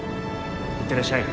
いってらっしゃい。